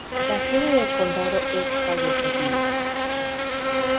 La sede de condado es Fayetteville.